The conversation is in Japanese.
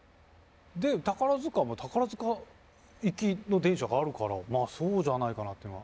で宝塚も宝塚行きの電車があるからまあそうじゃないかなっていうのは。